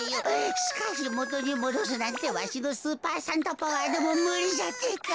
しかしもとにもどすなんてわしのスーパーサンタパワーでもむりじゃってか。